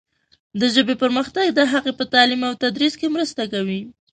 د ژبې پرمختګ د هغې په تعلیم او تدریس کې مرسته کوي.